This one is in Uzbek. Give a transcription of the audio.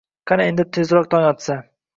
Qani endi tezroq tong otsa